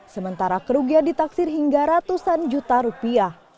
sementara kerugian ditaksir hingga ratusan juta rupiah